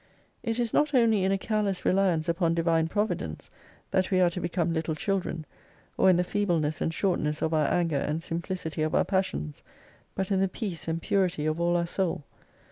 It is not only in a careless reliance upon Divine Providence, that we are to become little children, or in the feebleness and shortness of our anger and simplicity of our passions, but in the peace and purity of all our soul.